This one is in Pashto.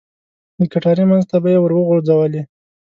د کټارې منځ ته به یې ور وغوځولې.